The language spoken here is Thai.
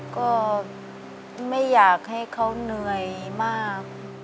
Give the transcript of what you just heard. ก็ไม่อยากให้เขาเหนื่อยมาก